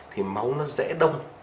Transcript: thì máu nó dễ đông